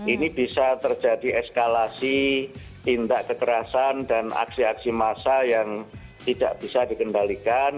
ini bisa terjadi eskalasi tindak kekerasan dan aksi aksi massa yang tidak bisa dikendalikan